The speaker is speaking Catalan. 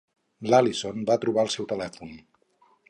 L'Allison va trobar el seu telèfon.